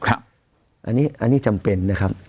อันนี้จำเป็นนะครับ